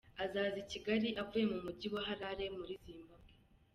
Azaza i Kigali avuye mu Mujyi wa Harare muri Zimbabwe.